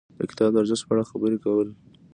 د کتاب د ارزښت په اړه خبرې کول.